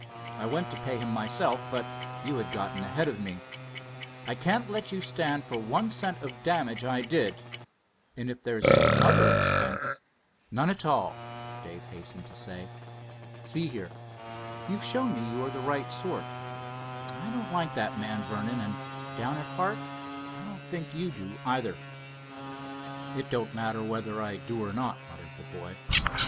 I went to pay him myself, but you had gotten ahead of me. I can't let you stand for one cent of damage I did, and if there's any other expense——" "None at all," Dave hastened to say. "See here, you've shown me you are the right sort. I don't like that man Vernon, and down at heart I don't think you do, either." "It don't matter whether I do or not," muttered the boy.